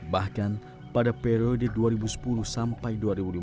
bahkan pada periode dua ribu sepuluh sampai dua ribu lima belas